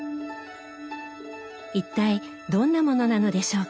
一体どんなものなのでしょうか。